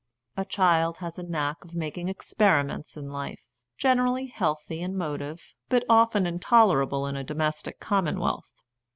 A child has a knack of making experiments in life, generally healthy in mo tive, but often intolerable in a domestic commonwealth.